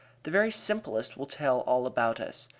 The very simplest will tell all about us.